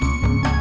liat dong liat